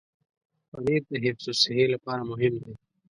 پنېر د حفظ الصحې لپاره مهم دی.